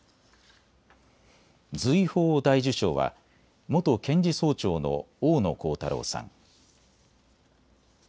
瑞宝大綬章は元検事総長の大野恒太郎さん